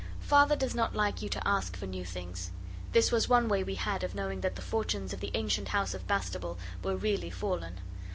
Father does not like you to ask for new things. That was one way we had of knowing that the fortunes of the ancient House of Bastable were really fallen.